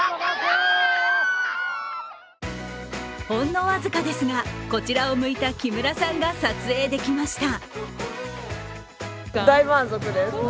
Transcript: ほんの僅かですが、こちらを向いた木村さんが撮影できました。